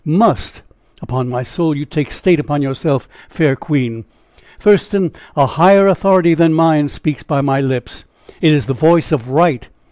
"'Must!' Upon my soul! you take state upon yourself, fair queen!" "Thurston, a higher authority than mine speaks by my lips it is the voice of Right!